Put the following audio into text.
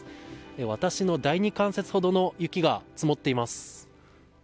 私の第２関節ほどの雪が積もっています。